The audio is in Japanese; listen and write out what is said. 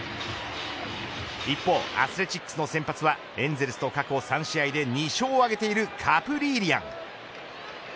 一方、アスレチックスの先発はエンゼルスと過去３試合で２勝を挙げているカプリーリアン。